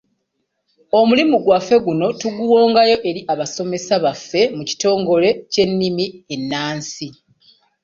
Omulimu gwaffe guno tuguwongayo eri abasomesa baffe mu kitongole ky’ennimi ennansi.